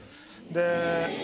で。